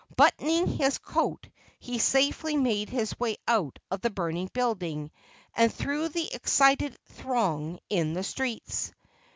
Buttoning his coat, he safely made his way out of the burning building and through the excited throng in the streets.